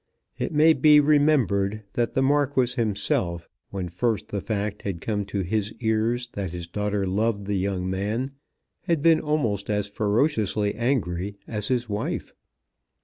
It may be remembered that the Marquis himself, when first the fact had come to his ears that his daughter loved the young man, had been almost as ferociously angry as his wife.